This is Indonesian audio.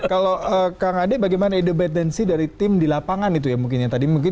kalau kang ade bagaimana independensi dari tim di lapangan itu ya mungkin yang tadi mungkin